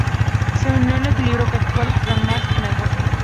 Se unió al equipo Collstrop-Palmans en agosto.